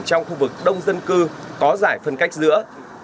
trong khu vực đông dân cư có giải phân cách giữa